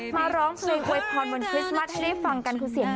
มาร้องเพลงอวยพรวันคริสต์มัสให้ได้ฟังกันคือเสียง